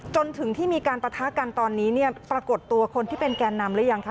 จนถึงที่มีการปะทะกันตอนนี้เนี่ยปรากฏตัวคนที่เป็นแกนนำหรือยังคะ